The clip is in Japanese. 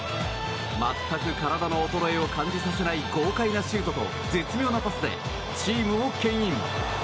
全く体の衰えを感じさせない豪快なシュートと絶妙なパスで、チームを牽引。